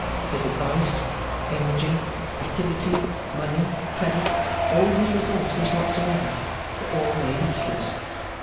His advice, energy, activity, money, credit, all his resources whatsoever, were all made useless.